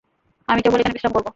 আমি কেবল এখানে বিশ্রাম করবো।